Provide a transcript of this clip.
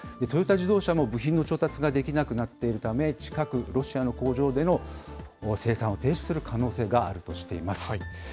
トヨタ自動車も部品の調達ができなくなっているため、近く、ロシアの工場での生産を停止する可能性があるとしています。